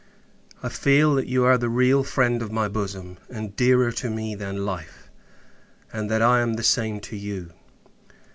I feel, that you are the real friend of my bosom, and dearer to me than life; and, that I am the same to you.